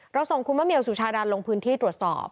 ส่งคุณมะเมียวสุชาดาลงพื้นที่ตรวจสอบ